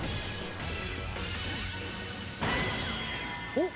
おっ！